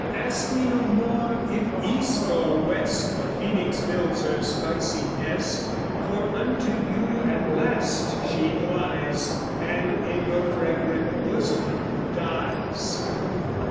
Ask me no more if east or west The phoenix builds her spicy nest, For unto you at last she flies, And in your fragrant bosom dies.